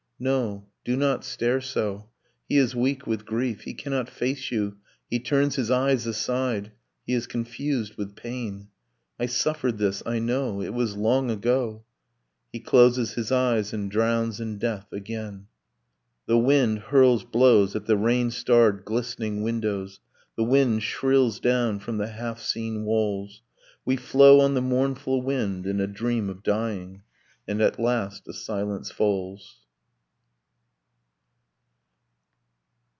'No, do not stare so he is weak with grief, He cannot face you, he turns his eyes aside; He is confused with pain. I suffered this. I know. It was long ago ... He closes his eyes and drowns in death again.' The wind hurls blows at the rain starred glistening windows, The wind shrills down from the half seen walls. We flow on the mournful wind in a dream of dying; And at last a silence falls.